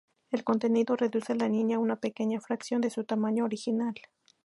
El contenido reduce a la niña a una pequeña fracción de su tamaño original.